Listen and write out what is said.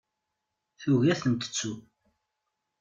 Tugi ad tent-tettu.